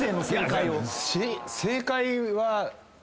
正解は。